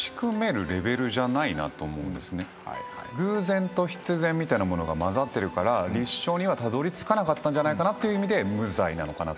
偶然と必然みたいなものが交ざってるから立証にはたどりつかなかったんじゃないかなって意味で無罪かなと。